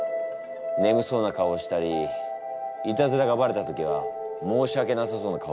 ねむそうな顔をしたりいたずらがバレた時は申しわけなさそうな顔もする。